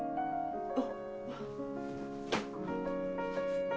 あっ。